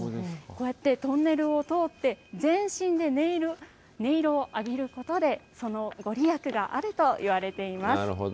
こうやってトンネルを通って、全身で音色を浴びることで、その御利益があるといわれています。